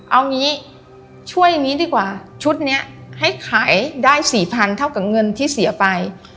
เอางี้ช่วยอย่างนี้ดีกว่าชุดนี้ให้ขายได้๔๐๐๐เท่ากับเงินที่เสียไป